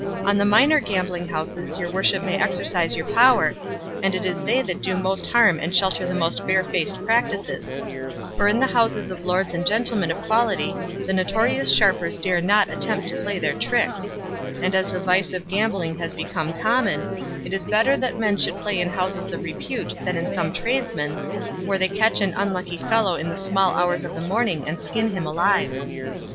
On the minor gambling houses your worship may exercise your power, and it is they that do most harm and shelter the most barefaced practices; for in the houses of lords and gentlemen of quality the notorious sharpers dare not attempt to play their tricks; and as the vice of gambling has become common, it is better that men should play in houses of repute than in some tradesman's, where they catch an unlucky fellow in the small hours of the morning and skin him alive."